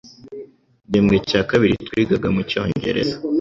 igihembwe cya kabiri twigaga mu Cyongereza